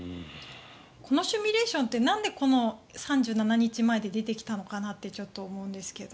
このシミュレーションってなんでこの３７日前で出てきたのかなってちょっと思うんですけど。